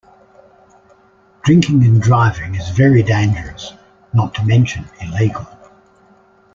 Drinking and driving Is very dangerous, not to mention illegal.